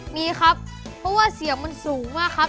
มีครับเพราะว่าเสียงมันสูงมากครับ